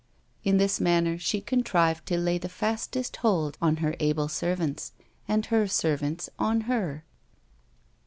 In this manner she contrived to lay the fastest hold on her able servants, and her servants on her.